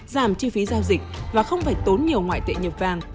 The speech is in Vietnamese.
giảm chi phí giao dịch và không phải tốn nhiều ngoại tệ nhập vàng